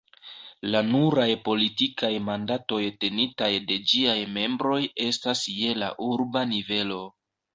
La nuraj politikaj mandatoj tenitaj de ĝiaj membroj estas je la urba nivelo.